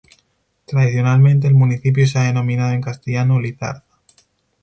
Tradicionalmente el municipio se ha denominado en castellano: ""Lizarza"".